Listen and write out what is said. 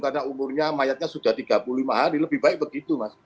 karena umurnya mayatnya sudah tiga puluh lima hari lebih baik begitu mas